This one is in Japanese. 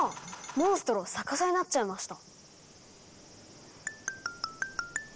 モンストロ逆さになっちゃいました。